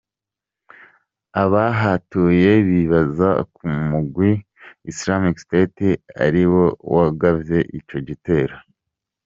Abahatuye bibaza ko umugwi Islamic State ariwo wagavye ico gitero.